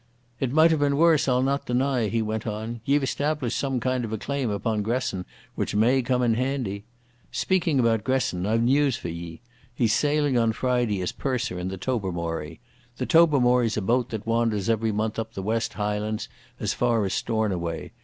"It might have been worse, I'll not deny," he went on. "Ye've established some kind of a claim upon Gresson, which may come in handy.... Speaking about Gresson, I've news for ye. He's sailing on Friday as purser in the Tobermory. The Tobermory's a boat that wanders every month up the West Highlands as far as Stornoway.